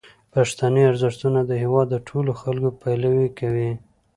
پښتني ارزښتونه د هیواد د ټولو خلکو پلوي کوي.